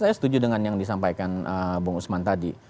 saya setuju dengan yang disampaikan bung usman tadi